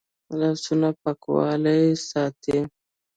لاسونه پاکوالی ساتي